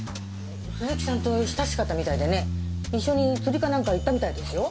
鈴木さんと親しかったみたいでね一緒に釣りか何か行ったみたいですよ。